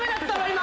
今。